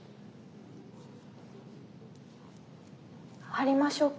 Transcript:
貼りましょうか？